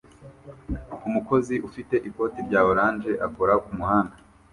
Umukozi ufite ikoti rya orange akora kumuhanda